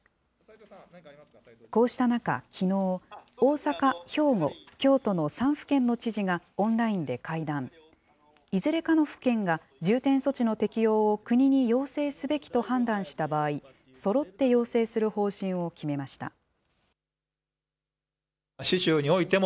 こうした中、きのう、大阪、兵庫、京都の３府県の知事がオンラインで会談。いずれかの府県が、重点措置の適用を国に要請すべきと判断した場合、そろって要請する方針を決めました。